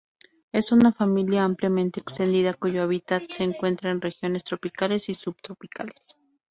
Es una familia ampliamente extendida cuyo hábitat se encuentra en regiones tropicales y subtropicales.